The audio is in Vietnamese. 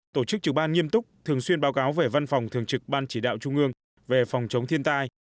tổ chức trực ban nghiêm túc thường xuyên báo cáo về văn phòng thường trực ban chỉ đạo trung ương về phòng chống thiên tai